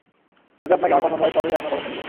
যদি আপনাকে আমার পছন্দ হয়, তবেই আপনার কথা শুনিব।